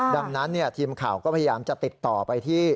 ดังนั้นทีมข่าวก็พยายามจะติดต่อไปที่